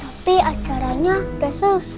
baik duluan baik kasih k excuses